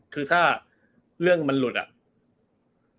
คือถ้าเรื่องมันหลุดอ่ะ